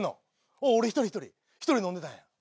おお俺１人１人１人飲んでたんや。